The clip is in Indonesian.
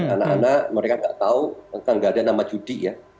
anak anak mereka tidak tahu karena tidak ada nama judi ya